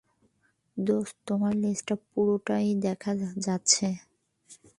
দোস্ত, তোমার লেজটা পুরোটাই দেখা যাচ্ছে।